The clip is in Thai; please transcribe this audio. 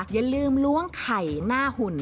อย่าลืมร่วงใครหน้าหุ่น